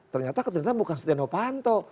ternyata kebenarannya bukan setianopanto